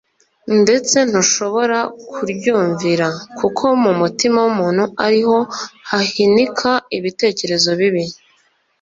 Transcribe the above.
ndetse ntushobora kiryumvira.» «Kuko mu mutima w'umuntu ari ho hahinika ibitekerezo bibi,